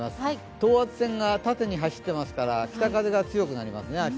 等圧線が縦に走っていますから明日は北風が強くなりますね。